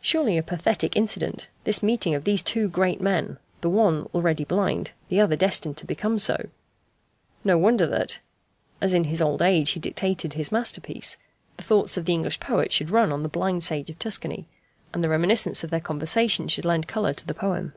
Surely a pathetic incident, this meeting of these two great men the one already blind, the other destined to become so. No wonder that, as in his old age he dictated his masterpiece, the thoughts of the English poet should run on the blind sage of Tuscany, and the reminiscence of their conversation should lend colour to the poem.